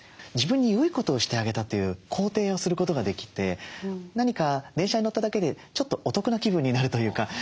自分に良いことをしてあげたという肯定をすることができて何か電車に乗っただけでちょっとお得な気分になるというか。